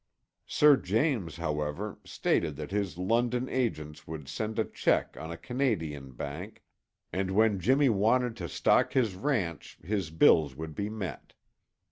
Sir James, however, stated that his London agents would send a check on a Canadian bank, and when Jimmy wanted to stock his ranch his bills would be met.